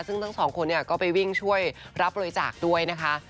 ซึ่งทั้งสองคนก็ไปวิ่งช่วยรับบริจาคด้วยนะคะ